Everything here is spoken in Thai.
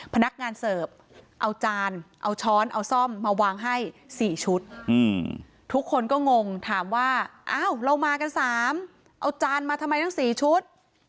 พนักงานเสิร์ฟเอาจานเอาช้อนเอาซ่อมมาวางให้๔ชุดทุกคนก็งงถามว่าอ้าวเรามากัน๓เอาจานมาทำไมทั้ง๔ชุด